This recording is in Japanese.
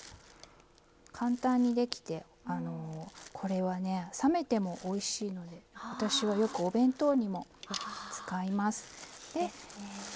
簡単にできてこれはね冷めてもおいしいので私はよくお弁当にも使います。